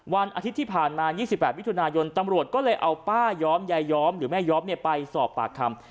วันอาทิตย์ที่ผ่านมา๒๘มิถุนายนตำรวจก็เลยเอาป้าย้อมยายย้อมหรือแม่ย้อมไปสอบปากคำ